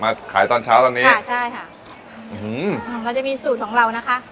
ขายตอนเช้าตอนนี้ค่ะใช่ค่ะอืมเราจะมีสูตรของเรานะคะ